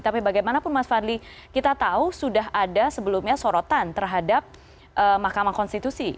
tapi bagaimanapun mas fadli kita tahu sudah ada sebelumnya sorotan terhadap mahkamah konstitusi